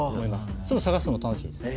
そういうの探すのも楽しいです。